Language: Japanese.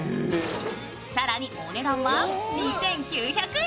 更にお値段は２９００円。